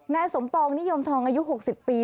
นายสมปองนิยมทองอายุ๖๐ปี